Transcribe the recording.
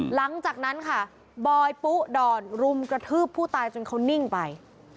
หลังจากนั้นค่ะบอยปุ๊ดอนรุมกระทืบผู้ตายจนเขานิ่งไป